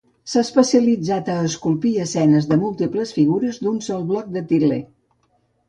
S'ha especialitzat a esculpir escenes de múltiples figures d'un sol bloc de til·ler.